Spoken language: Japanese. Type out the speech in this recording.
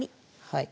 はい。